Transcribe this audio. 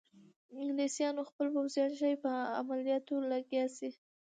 انګلیسیانو خپل پوځیان ښایي په عملیاتو لګیا شي.